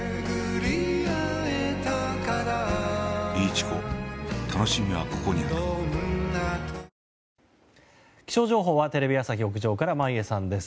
１抗菌気象情報はテレビ朝日屋上から眞家さんです。